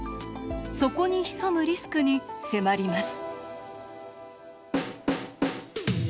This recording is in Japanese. そこに潜むリスクに迫ります。